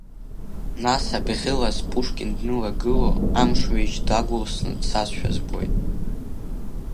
Нас абӷьы-лас Пушкин днылагыло, амш-ҩежь дагәылсны дцазшәа збоит.